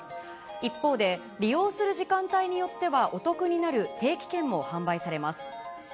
一方で、利用する時間帯によっては、お得になる定期券も販売されます。